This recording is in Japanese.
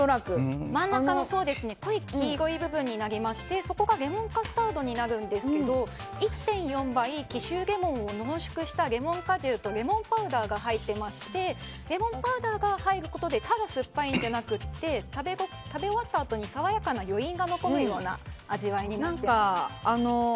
真ん中の層ですね濃い黄色い部分になりましてそこがレモンカスタードになるんですけども１．４倍紀州レモンを濃縮したレモン果汁とレモンパウダーが入っていましてレモンパウダーが入ることでただ酸っぱいんじゃなくて食べ終わったあとに爽やかな余韻が残るような味わいになっています。